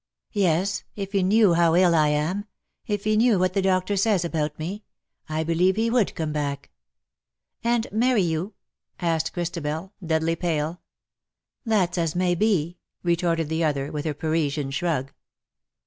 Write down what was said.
" Yes^ if he knew how ill I am — if he knew what the doctor says about me — I believe he would come back." " And marry you ?" asked Christabel, deadly pale. " That's as may be/' retorted the other, with her Parisian shrug.